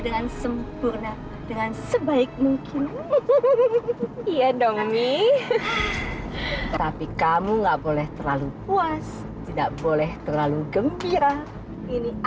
nggak kayak yang kamu dengerin